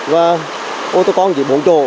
và ô tô con chỉ bốn chổ